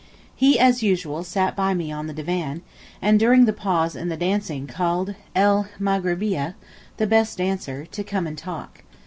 He, as usual, sat by me on the divan, and during the pause in the dancing called 'el Maghribeeyeh,' the best dancer, to come and talk.